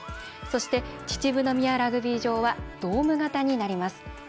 そして、秩父宮ラグビー場はドーム型になります。